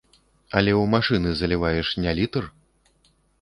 Але ў машыны заліваеш не літр.